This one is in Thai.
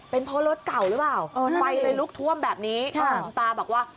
เป็นเพราะรถเก่าหรือเปล่าไปในลุกท่วมแบบนี้คุณตาบอกว่า